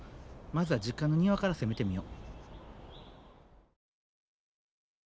まずは実家の庭から攻めてみよ。